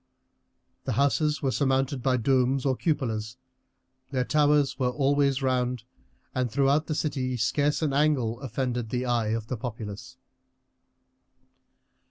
The houses were surmounted by domes or cupolas. Their towers were always round, and throughout the city scarce an angle offended the eye of the populace.